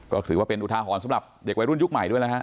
ก็ถือว่าเป็นอุทาหรณ์สำหรับเด็กวัยรุ่นยุคใหม่ด้วยนะฮะ